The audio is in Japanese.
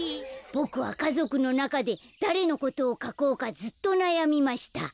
「ボクはかぞくのなかでだれのことをかこうかずっとなやみました。